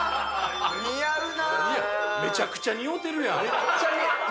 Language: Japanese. めちゃくちゃ似合うてるやん！